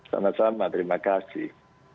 selamat selamat terima kasih